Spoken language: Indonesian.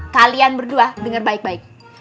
kalian berdua dengan baik baik